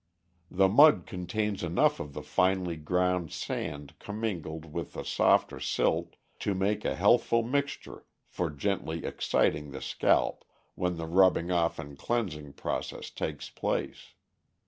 The mud contains enough of the finely ground sand commingled with the softer silt to make a healthful mixture for gently exciting the scalp when the rubbing off and cleansing process takes place.